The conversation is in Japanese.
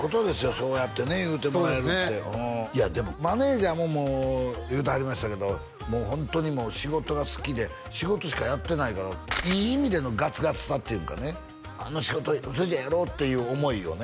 そうやってね言うてもらえるってそうですねマネージャーも言うてはりましたけどもうホントに仕事が好きで仕事しかやってないからいい意味でのガツガツさっていうんかねあの仕事それじゃあやろうっていう思いをね